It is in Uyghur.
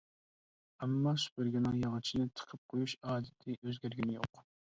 ئەمما سۈپۈرگىنىڭ ياغىچىنى تىقىپ قۇيۇش ئادىتى ئۆزگەرگىنى يوق.